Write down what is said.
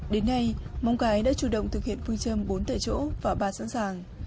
đến nay móng cái đã chủ động thực hiện phương châm bốn tại chỗ và ba sẵn sàng